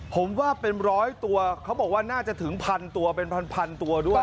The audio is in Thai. ผมว่าเป็นร้อยตัวเขาบอกว่าน่าจะถึงพันตัวเป็นพันตัวด้วย